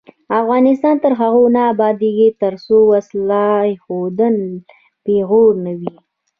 افغانستان تر هغو نه ابادیږي، ترڅو وسله ایښودل پیغور نه وي.